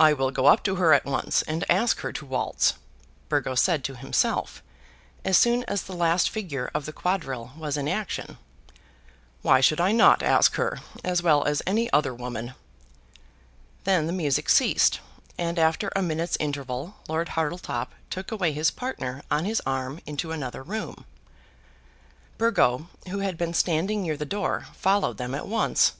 "I will go up to her at once, and ask her to waltz," Burgo said to himself, as soon as the last figure of the quadrille was in action. "Why should I not ask her as well as any other woman?" Then the music ceased, and after a minute's interval Lord Hartletop took away his partner on his arm into another room. Burgo, who had been standing near the door, followed them at once.